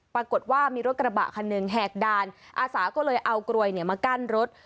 ปรากฏว่ามีรถกระบะคันหนึ่งแหกด่านอาสาก็เลยเอากลวยมากั้นรถ